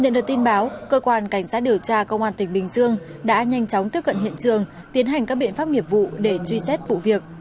được tin báo cơ quan cảnh sát điều tra công an tỉnh bình dương đã nhanh chóng tiếp cận hiện trường tiến hành các biện pháp nghiệp vụ để truy xét vụ việc